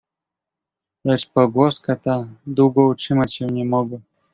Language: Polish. "Lecz pogłoska ta długo utrzymać się nie mogła."